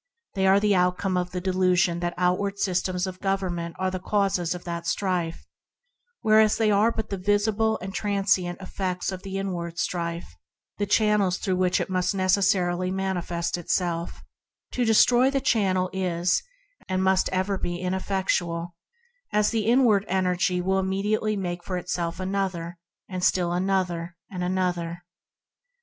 They are the outcome of the delusion that outward systems of government are the causes of that strife, whereas they are merely the visible and transient effects of the inward strife, the channels through which it must necessarily manifest itself. I am the way, the truth, the life. To destroy the chan nel is, and must ever be, ineffectual; the inward energy will immediately make for itself another, and still another and another.